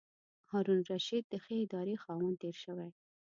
هارون الرشید د ښې ادارې خاوند تېر شوی.